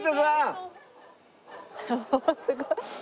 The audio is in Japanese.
すごい！